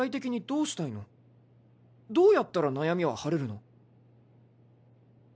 どうやったら悩みは晴れるの？